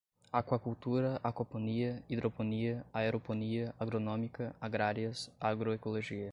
aquacultura, aquaponia, hidroponia, aeroponia, agronômica, agrárias, agroecologia